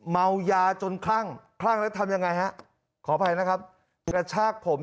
เมายาจนคลั่งคลั่งแล้วทำยังไงฮะขออภัยนะครับกระชากผม